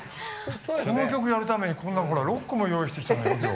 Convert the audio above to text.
この曲やるためにこんなほら６個も用意してきたのよ